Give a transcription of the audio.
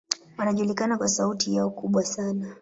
Wanajulikana kwa sauti yao kubwa sana.